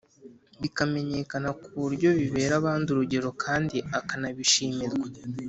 bikamenyekana ku buryo bibera abandi urugero kandi ukanabishimirwa